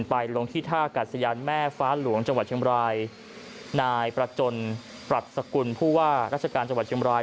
ลงที่ท่ากัดสยานแม่ฟ้าหลวงจังหวัดเชียงบรายนายประจนปรัชกุลผู้ว่าราชการจังหวัดเชียงบราย